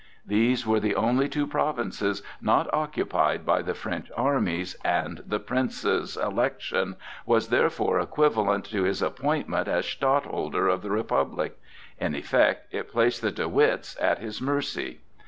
These were the only two provinces not occupied by the French armies, and the Prince's CORNELIUS DE WITT election was therefore equivalent to his appointment as Stadtholder of the Republic. In effect it placed the De Witts at his mercy.